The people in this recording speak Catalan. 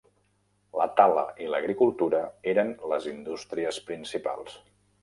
La tala i l'agricultura eren les indústries principals.